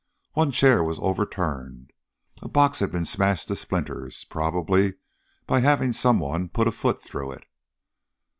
One chair was overturned. A box had been smashed to splinters, probably by having someone put a foot through it.